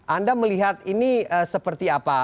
anda melihat ini seperti apa